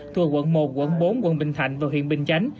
thuộc quận một quận bốn quận bình thạnh và huyện bình chánh